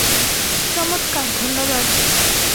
চমৎকার, ধন্যবাদ।